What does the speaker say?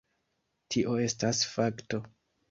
Tio estas fakto.